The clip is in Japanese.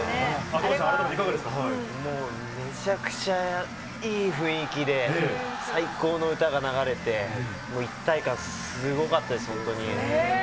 富樫さん、改めていかがでしもうめちゃくちゃいい雰囲気で、最高の歌が流れて、もう一体感すごかったです、本当に。